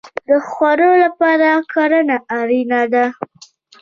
د خوړو لپاره کرنه اړین ده